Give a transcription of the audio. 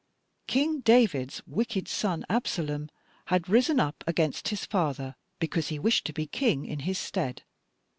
"King David's wicked son Absalom had risen up against his father because he wished to be king in his stead.